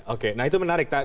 oke nah itu menarik